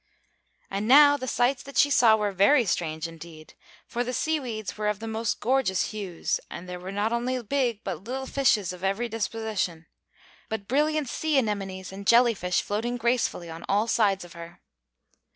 And now the sights that she saw were very strange indeed; for the seaweeds were of most gorgeous hues, and there were not only big and little fishes of every description, but brilliant sea anemones and jelly fish floating gracefully on all sides of her.